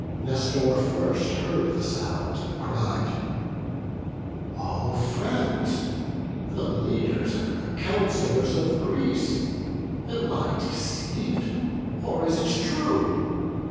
Nestor first heard the sound, and cried, "O friends, The leaders and the councillors of Greece, Am I deceiv'd, or is it true?